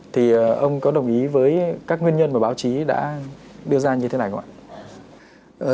thì ông có đồng ý với các nguyên nhân mà báo chí đã đưa ra như thế này không ạ